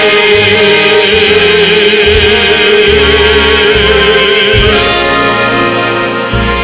ไม่เร่รวนภาวะผวังคิดกังคัน